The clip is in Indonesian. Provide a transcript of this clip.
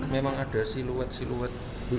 memang ada siluet siluet